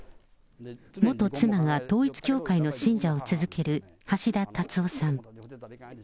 元妻が統一教会の信者を続ける橋田達夫さん。